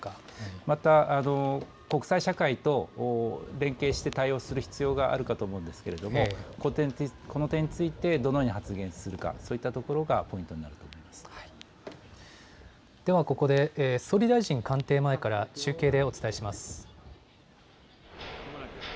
また、国際社会と連携して対応する必要があるかと思うんですが、この点についてどのように発言するか、そういったところがポイントになでは、ここで総理大臣官邸前から中継でお伝えします。